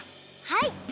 はい！